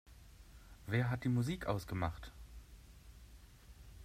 Wer hat die Musik ausgemacht?